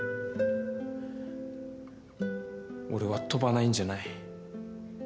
俺は跳ばないんじゃない。